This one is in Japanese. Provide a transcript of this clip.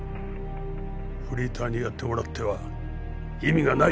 フリーターにやってもらっては意味がない。